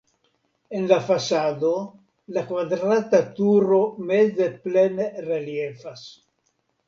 En la fasado la kvadrata turo meze plene reliefas.